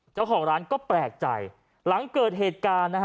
เจ้าของร้านก็แปลกใจหลังเกิดเหตุการณ์นะฮะ